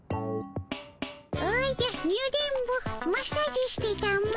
おじゃニュ電ボマッサージしてたも。